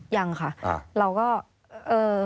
ยังค่ะเราก็เออ